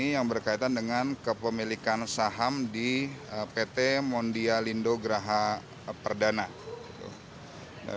yang berkaitan dengan kepemilikan saham di pt mondialindo geraha perdana